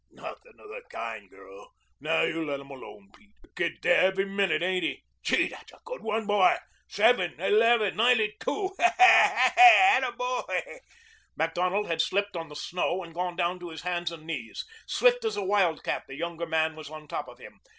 "Nothing of the kind, girl. You let 'em alone, Pete. The kid's there every minute, ain't he? Gee, that's a good one, boy. Seven eleven ninety two. 'Attaboy!" Macdonald had slipped on the snow and gone down to his hands and knees. Swift as a wildcat the younger man was on top of him.